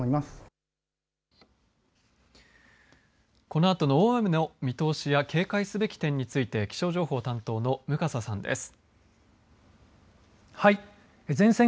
このあとの大雨の見通しや警戒すべき点について気象情報担当の向笠さんです。